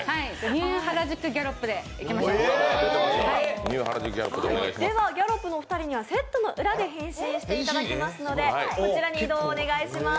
ニュー原宿ギャロップでいきましょうでは、ギャロップのお二人にはセットの裏で変身していただきますので、移動をお願いします。